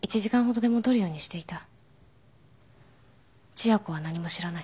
千夜子は何も知らない。